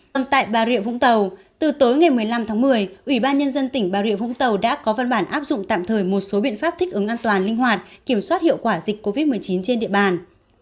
còn tại bà rịa vũng tàu từ tối ngày một mươi năm tháng một mươi ủy ban nhân dân tỉnh bà rịa vũng tàu đã có văn bản áp dụng tạm thời một số biện pháp thích ứng an toàn linh hoạt kiểm soát hiệu quả dịch covid một mươi chín trên địa bàn